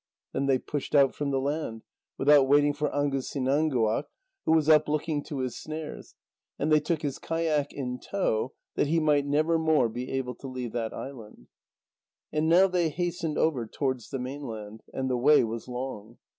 Then they pushed out from the land, without waiting for Angusinãnguaq, who was up looking to his snares, and they took his kayak in tow, that he might never more be able to leave that island. And now they hastened over towards the mainland. And the way was long.